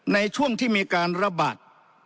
ในช่วงที่มีการระบาด